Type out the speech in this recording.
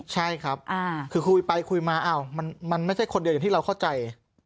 ใช่ครับคือคุยไปคุยมามันไม่ใช่คนเดียวอย่างที่เราเข้าใจ